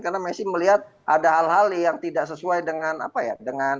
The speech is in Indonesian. karena messi melihat ada hal hal yang tidak sesuai dengan apa ya